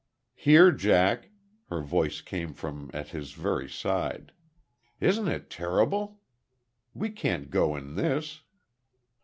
"Here, Jack." Her voice came from at his very side. "Isn't it terrible! We can't go in this."